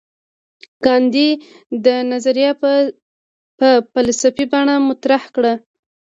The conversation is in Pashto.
ګاندي دا نظریه په فلسفي بڼه مطرح کړه.